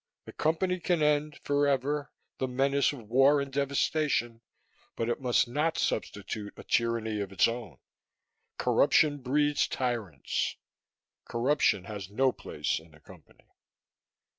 The Company can end, forever, the menace of war and devastation; but it must not substitute a tyranny of its own. Corruption breeds tyrants. Corruption has no place in the Company.